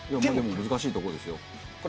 難しいところですよ。